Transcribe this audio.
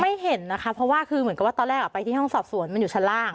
เห็นนะคะเพราะว่าคือเหมือนกับว่าตอนแรกไปที่ห้องสอบสวนมันอยู่ชั้นล่าง